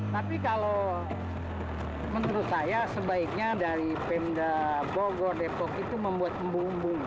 tapi kalau menurut saya sebaiknya dari pemda bogor depok itu membuat embung embung